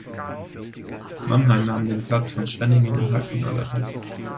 Mannheim nahm den Platz von Schwenningen im Halbfinale ein.